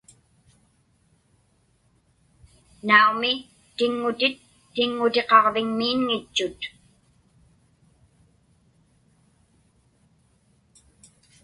Naumi, tiŋŋutit tiŋŋutiqaġviŋmiinŋitchut.